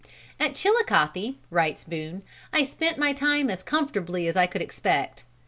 "At Chilicothe," writes Boone, "I spent my time as comfortably as I could expect.